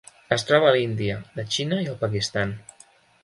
Es troba a l'Índia, la Xina i el Pakistan.